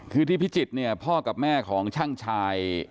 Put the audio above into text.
คือที่พิจิตรเนี่ยพ่อกับแม่ของช่างชาย